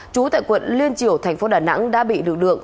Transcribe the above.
chú tại quận liên triều thành phố đà nẵng đã bị đựng được